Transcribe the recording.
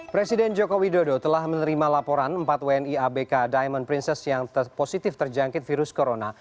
presiden joko widodo telah menerima laporan empat wni abk diamond princess yang positif terjangkit virus corona